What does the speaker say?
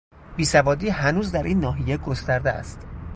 بیسوادی هنوز در این ناحیه گسترده است.